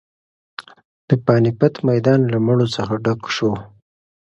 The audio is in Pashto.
د پاني پت میدان له مړو څخه ډک شو.